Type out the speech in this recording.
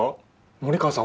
森川さん